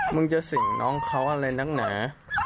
มึงจะสิ่งน้องเขาอะไรนักหนา